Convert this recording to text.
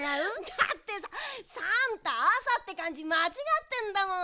だってささんた「あさ」ってかんじまちがってんだもん！